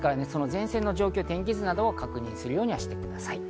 前線の状況、天気図などを確認するようにしてください。